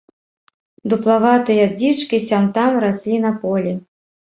Дуплаватыя дзічкі сям-там раслі на полі.